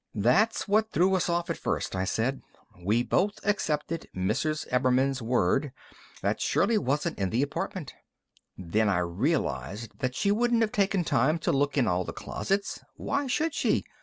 "That's what threw us off at first," I said. "We both accepted Mrs. Ebbermann's word that Shirley wasn't in the apartment. Then I realized that she wouldn't have taken time to look in all the closets. Why should she?